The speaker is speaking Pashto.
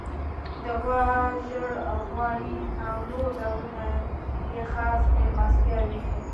د غوا ژړ غوړي او نور ډولونه یې خاص میلمستیاوې وې.